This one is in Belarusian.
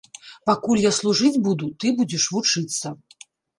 Пакуль я служыць буду, ты будзеш вучыцца.